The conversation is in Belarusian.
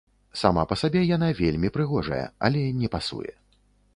Сама па сабе яна вельмі прыгожая, але не пасуе.